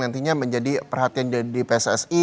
nantinya menjadi perhatian di pssi